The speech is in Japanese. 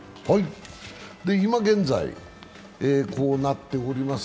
今現在こうなっております。